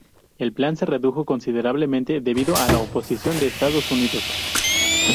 El plan se redujo considerablemente debido a la oposición de Estados Unidos.